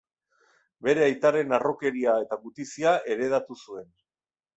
Bere aitaren harrokeria eta gutizia heredatu zuen.